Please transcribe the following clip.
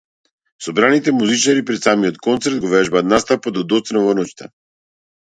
Собраните музичари пред самиот концерт го вежбаа настапот до доцна во ноќта.